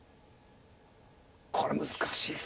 これ難しいですね。